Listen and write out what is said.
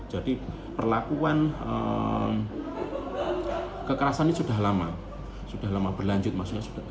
jadi perlakuan kekerasan ini sudah lama